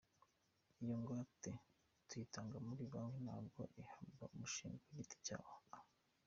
Iyo ngwate tuyitanga muri banki ntabwo ihabwa umushinga ku giti cyawo ».